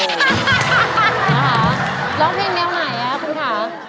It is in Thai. นะคะร้องเพลงแนวไหนคุณค่ะ